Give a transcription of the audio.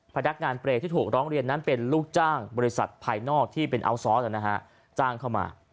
พนักงานเปรย์ที่ถูกร้องเรียนนั้นเป็นลูกจ้างบริษัทภายนอกที่เป็นอัลซอสจ้างเข้ามา